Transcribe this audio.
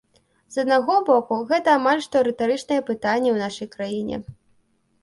З аднаго боку, гэта амаль што рытарычнае пытанне ў нашай краіне.